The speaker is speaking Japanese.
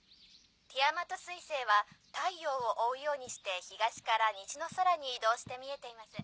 ティアマト彗星は太陽を追うようにして東から西の空に移動して見えています。